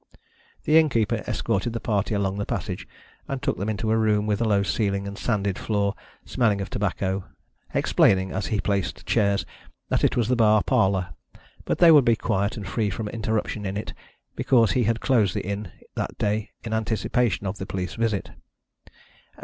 The innkeeper escorted the party along the passage, and took them into a room with a low ceiling and sanded floor, smelling of tobacco, explaining, as he placed chairs, that it was the bar parlour, but they would be quiet and free from interruption in it, because he had closed the inn that day in anticipation of the police visit.